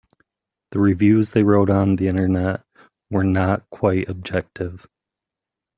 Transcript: The reviews they wrote on the Internet were not quite objective.